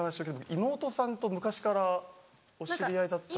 妹さんと昔からお知り合いだったんです。